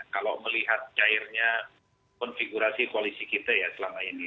kalau melihat cairnya konfigurasi koalisi kita ya selama ini